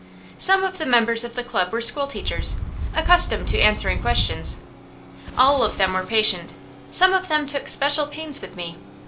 Some of the members of the club were school teachers, accustomed to answering questions. All of them were patient; some of them took special pains with me.